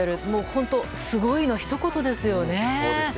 本当にすごいのひと言ですよね。